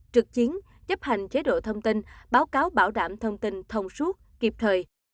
trực chiến chấp hành chế độ thông tin báo cáo bảo đảm thông tin thông suốt kịp thời